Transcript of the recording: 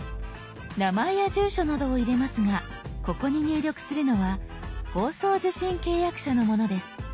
名前や住所などを入れますがここに入力するのは放送受信契約者のものです。